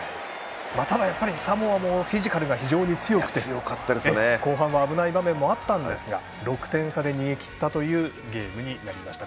ただ、やっぱりサモアもフィジカル非常に強くて後半は危ない場面もあったんですが６点差で逃げきったというゲームになりました。